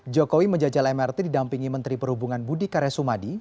jokowi menjajal mrt didampingi menteri perhubungan budi karesumadi